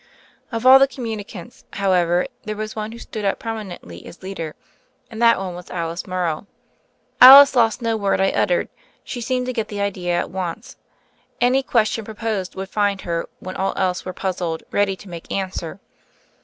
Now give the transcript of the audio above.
Of all the Communicants, however, there was one who stood out prominently as leader, and that one was Alice Morrow. Alice lost no word I uttered; she seemed to get the idea at once. Any question proposed would find her, when all else were puzzled, ready to make answer.